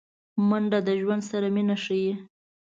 منډه د ژوند سره مینه ښيي